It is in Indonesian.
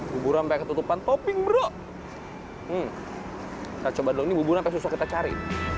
bubur sampai ketutupan topping bro kita coba dong ini bubur sampai susah kita cari